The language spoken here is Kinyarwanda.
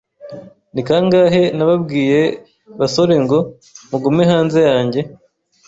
Ni kangahe nababwiye basore ngo mugume hanze yanjye?